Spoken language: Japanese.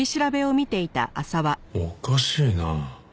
おかしいなあ。